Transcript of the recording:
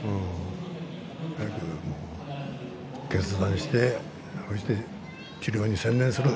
早く決断してそして治療に専念する。